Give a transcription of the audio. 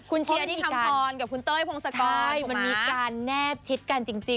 คุณเชียร์ดีคมพรล์กับคุณเต้ยผงสะคร